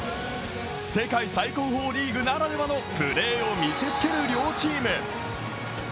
世界最高峰リーグならではのプレーを見せつける両チーム。